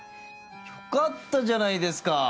よかったじゃないですか。